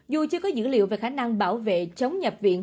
dù chưa có dữ liệu về khả năng bảo vệ chống nhập viện